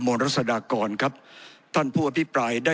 ผมจะขออนุญาตให้ท่านอาจารย์วิทยุซึ่งรู้เรื่องกฎหมายดีเป็นผู้ชี้แจงนะครับ